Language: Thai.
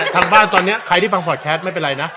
ทางบ้านตอนนี้ใครที่ฟังพอร์ตแคสไม่เป็นไรนะ